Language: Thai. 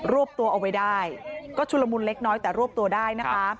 วบตัวเอาไว้ได้ก็ชุลมุนเล็กน้อยแต่รวบตัวได้นะคะ